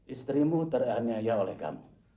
istrimu teranyai oleh kamu